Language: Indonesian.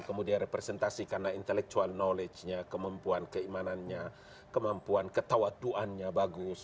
kemudian representasi karena intellectual knowledge nya kemampuan keimanannya kemampuan ketawatuannya bagus